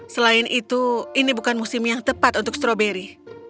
selain itu ini bukan musim yang tepat untuk stroberi